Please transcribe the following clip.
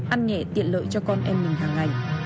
ăn nhẹ tiện lợi cho con em mình hàng ngày